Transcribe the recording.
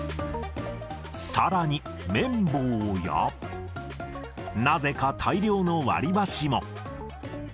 さらに綿棒や、なぜか大量の割り箸も。